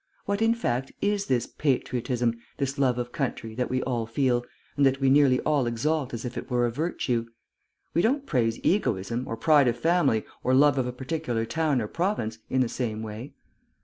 What, in fact, is this patriotism, this love of country, that we all feel, and that we nearly all exalt as if it were a virtue? We don't praise egoism, or pride of family, or love of a particular town or province, in the same way.